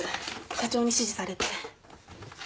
社長に指示されて。